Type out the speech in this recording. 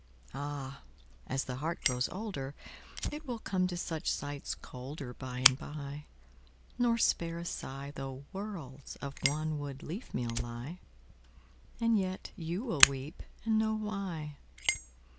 Áh! ás the heart grows olderIt will come to such sights colderBy and by, nor spare a sighThough worlds of wanwood leafmeal lie; And yet you wíll weep and know why.